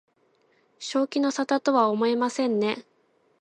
正気の沙汰とは思えませんね